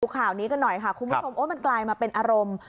ข่าวนี้กันหน่อยค่ะคุณผู้ชมโอ้มันกลายมาเป็นอารมณ์